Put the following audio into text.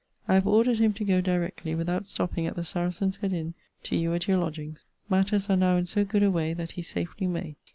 I have ordered him to go directly (without stopping at the Saracen's head inn) to you at your lodgings. Matters are now in so good a way, that he safely may.